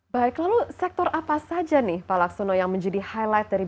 baik lalu sektor apa saja nih pak laksono yang menjadi highlight dari pt